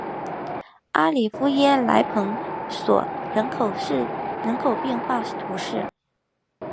阿夫里耶莱蓬索人口变化图示